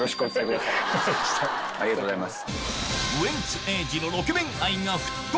ありがとうございます。